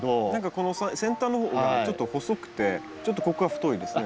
この先端の方がちょっと細くてちょっとここが太いですね。